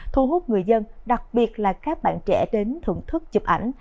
thu hút người dân đặc biệt là các bạn trẻ đến thưởng thức chụp ảnh